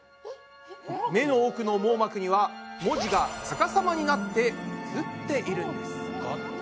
目の奥の網膜には文字が逆さまになって映っているんです。